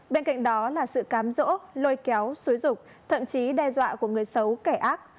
bên cạnh đó là sự cám rỗ lôi kéo xúi rục thậm chí đe dọa của người xấu kẻ ác